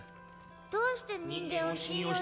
どうして人間を信用しちゃ。